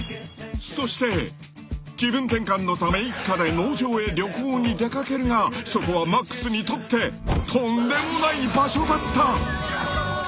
［そして気分転換のため一家で農場へ旅行に出掛けるがそこはマックスにとってとんでもない場所だった］